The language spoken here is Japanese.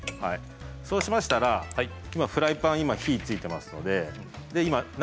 そうしましたら、フライパン今、火がついています。